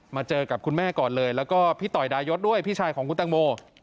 เจอกับคุณแม่ก่อนเลยแล้วก็พี่ต่อยดายศด้วยพี่ชายของคุณตังโม